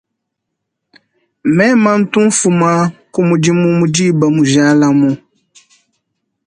Mema ntu nfuma kumudimu mu diba mujalamu.